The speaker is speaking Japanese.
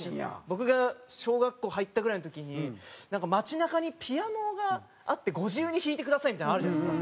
僕が小学校入ったぐらいの時になんか街なかにピアノがあって「ご自由に弾いてください」みたいなのあるじゃないですか。